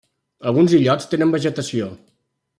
Alguns illots tenen vegetació.